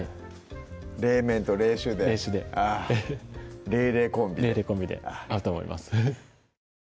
冷麺と冷酒で冷酒であっ冷冷コンビで冷冷コンビで合うと思います